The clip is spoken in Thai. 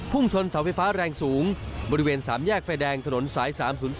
ชนเสาไฟฟ้าแรงสูงบริเวณ๓แยกไฟแดงถนนสาย๓๐๒